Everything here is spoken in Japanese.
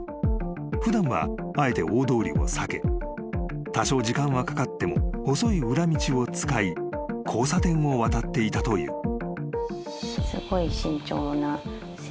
［普段はあえて大通りを避け多少時間はかかっても細い裏道を使い交差点を渡っていたという］